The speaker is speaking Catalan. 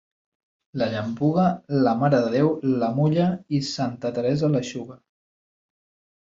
La llampuga, la Mare de Déu la mulla i santa Teresa l'eixuga.